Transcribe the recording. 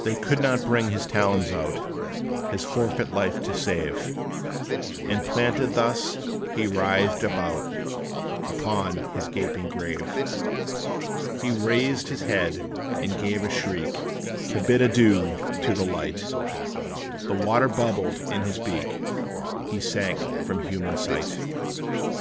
They could not bring his talons out, His forfeit life to save; And planted thus, he writhed about Upon his gaping grave. He raised his head, and gave a shriek, To bid adieu to light: The water bubbled in his beak He sank from human sight!